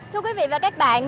thưa quý vị và các bạn